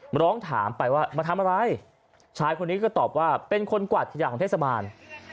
ร้องถามไปว่ามาทำอะไรชายคนนี้ก็ตอบว่าเป็นคนกวาดขยะของเทศบาล